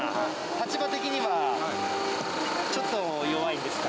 立場的には、ちょっと弱いですか？